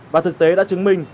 và thực tế đã chứng minh